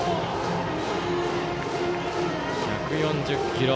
１４０キロ。